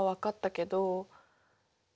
けど？